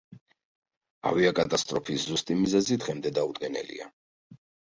ავიაკატასტროფის ზუსტი მიზეზი დღემდე დაუდგენელია.